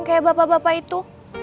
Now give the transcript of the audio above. kayak bapak bapak itu